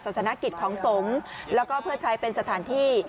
ศนกิจของสงฆ์แล้วก็เพื่อใช้เป็นสถานที่